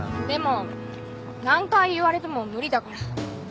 でも何回言われても無理だから。